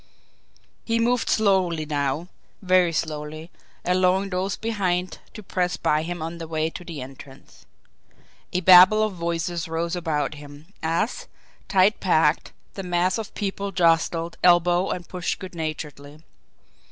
He moved slowly now, very slowly allowing those behind to press by him on the way to the entrance. A babel of voices rose about him, as, tight packed, the mass of people jostled, elbowed, and pushed good naturedly.